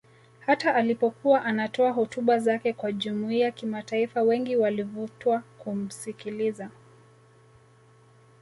Hata alipokuwa anatoa hotuba zake kwa Jumuiya Kimataifa wengi walivutwa kumsikiliza